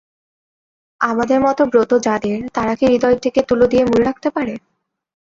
আমাদের মতো ব্রত যাদের, তারা কি হৃদয়টিকে তুলো দিয়ে মুড়ে রাখতে পারে?